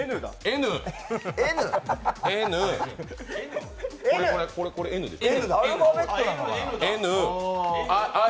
「Ｎ」、これ「Ｎ」でしょ。